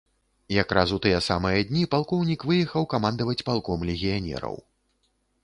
Якраз у тыя самыя дні палкоўнік выехаў камандаваць палком легіянераў.